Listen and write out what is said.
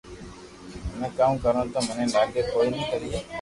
ھمي ڪاو ڪرو تو مني لاگي ڪوئي ڪريي